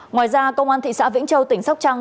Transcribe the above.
ngoài ra công an thị xã vĩnh châu tỉnh sóc trăng